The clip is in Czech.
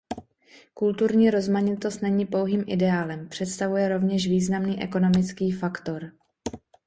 Kulturní rozmanitost není pouhým ideálem; představuje rovněž významný ekonomický faktor.